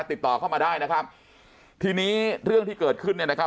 ติดต่อเข้ามาได้นะครับทีนี้เรื่องที่เกิดขึ้นเนี่ยนะครับ